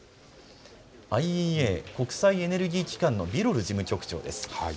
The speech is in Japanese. ＩＥＡ・国際エネルギー機関のビロル事務局長です。